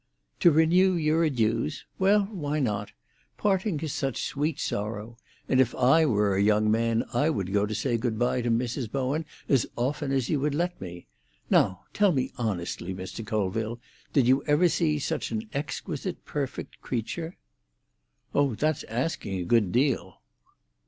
"To renew your adieux? Well, why not? Parting is such sweet sorrow! And if I were a young man I would go to say good bye to Mrs. Bowen as often as she would let me. Now tell me honestly, Mr. Colville, did you ever see such an exquisite, perfect creature?" "Oh, that's asking a good deal."